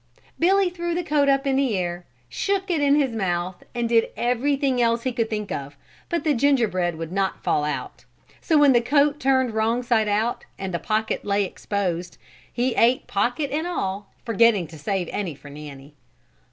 Billy threw the coat up in the air, shook it in his mouth and did everything else he could think of, but the gingerbread would not fall out, so when the coat turned wrong side out and the pocket lay exposed he ate pocket and all, forgetting to save any for Nanny.